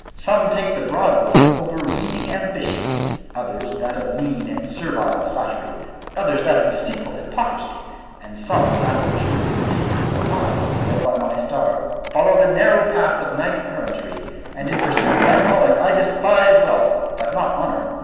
Some take the broad road of overweening ambition; others that of mean and servile flattery; others that of deceitful hypocrisy, and some that of true religion; but I, led by my star, follow the narrow path of knight errantry, and in pursuit of that calling I despise wealth, but not honour.